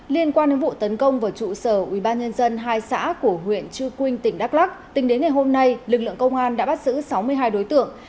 liên quan đến vụ tấn công vào trụ sở ubnd hai xã của huyện chư quynh tỉnh đắk lắc tính đến ngày hôm nay lực lượng công an đã bắt giữ sáu mươi hai đối tượng